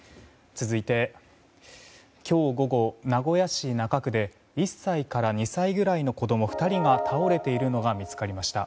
続いて、今日午後名古屋市中区で１歳から２歳くらいの子供２人が倒れているのが見つかりました。